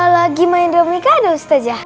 lagi main domikado ustazah